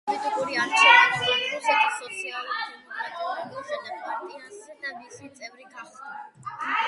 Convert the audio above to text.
თავისი პოლიტიკური არჩევანი მან რუსეთის სოციალ-დემოკრატიულ მუშათა პარტიაზე შეაჩერა და მისი წევრი გახდა.